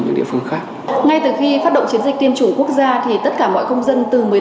những địa phương khác ngay từ khi phát động chiến dịch tiêm chủ quốc gia thì tất cả mọi công dân từ